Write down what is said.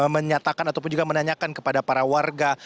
menyatakan ataupun juga menanyakan kepada para warga